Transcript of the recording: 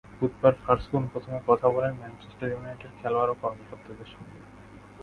বুধবার ফার্গুসন প্রথমে কথা বলেন ম্যানচেস্টার ইউনাইটেডের খেলোয়াড় ও কর্মকর্তাদের সঙ্গে।